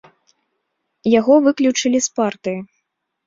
Яго выключылі з партыі.